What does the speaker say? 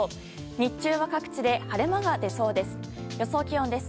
日中は各地で晴れ間が出そうです。